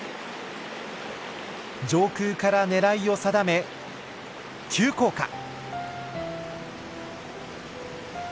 上空から狙いを定め急降下！